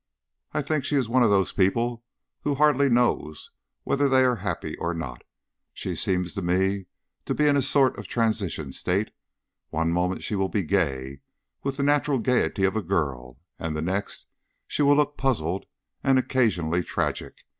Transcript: "I think she is one of those people who hardly know whether they are happy or not. She seems to me to be in a sort of transition state. One moment she will be gay with the natural gayety of a girl, and the next she will look puzzled, and occasionally tragic.